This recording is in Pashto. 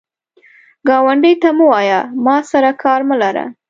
ګاونډي ته مه وایه “ما سره کار مه لره”